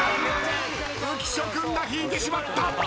浮所君が引いてしまった！